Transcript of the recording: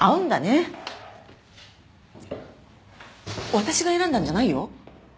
私が選んだんじゃないよ。